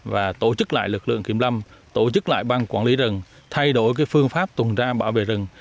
và tổ chức lại lực lượng kiểm lâm tổ chức lại băng quản lý rừng thay đổi phương pháp tuần tra bảo vệ rừng